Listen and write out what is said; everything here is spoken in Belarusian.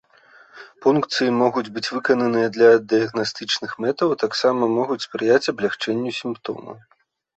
Пункцыі могуць быць выкананы для дыягнастычных мэтаў, а таксама могуць спрыяць аблягчэнню сімптомаў.